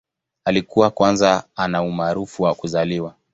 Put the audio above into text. Alikuwa kwanza ana umaarufu wa kuzaliwa.